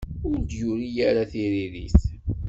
Ur d-yuri ara tiririt.